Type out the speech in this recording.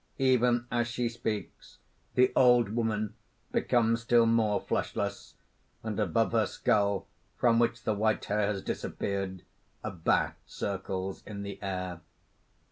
(_Even as she speaks, the Old Woman becomes still more fleshless; and above her skull, from which the white hair has disappeared, a bat circles in the air.